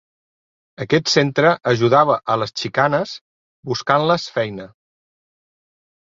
Aquest centre ajudava a les xicanes buscant-les feina.